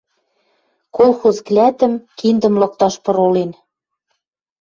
Колхоз клӓтӹм киндӹм лыкташ пыролен